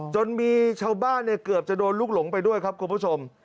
จนมีชาวบ้านเนี่ยเกือบจะโดนลูกหลงไปด้วยครับคุณผู้ชม